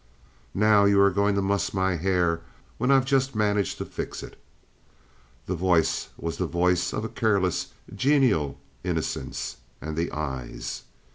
"Now, are you going to muss my hair, when I've just managed to fix it?" The voice was the voice of careless, genial innocence—and the eyes.